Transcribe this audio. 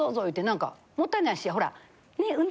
なんかもったいないしほらね？